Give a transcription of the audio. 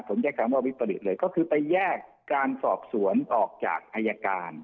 ผมใช้คำว่าวิปริตเลยก็คือไปแยกการสอบสวนออกจากอายการ